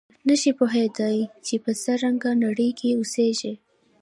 نه شي پوهېدای چې په څه رنګه نړۍ کې اوسېږي.